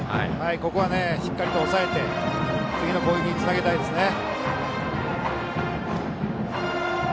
ここはしっかり抑えて次の攻撃につなげたいですね。